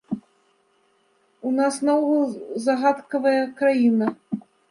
У нас наогул загадкавая краіна.